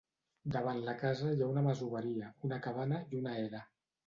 Davant la casa hi ha una masoveria, una cabana i una era.